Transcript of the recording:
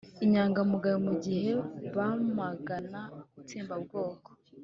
inyangamugayo mu gihe bamagana itsembabwoko